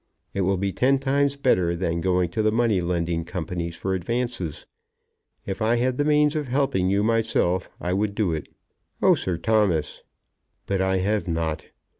It will be ten times better than going to the money lending companies for advances. If I had the means of helping you myself, I would do it." "Oh, Sir Thomas!" "But I have not.